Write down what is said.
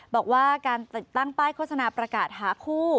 บอกว่าการติดตั้งป้ายโฆษณาประกาศหาคู่